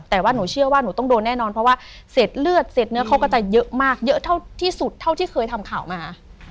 แต่ว่าหนูเชื่อว่าหนูต้องโดนแน่นอนเพราะว่าเสร็จเลือดเสร็จเนื้อเขาก็จะเยอะมากเยอะเท่าที่สุดเท่าที่เคยทำข่าวมา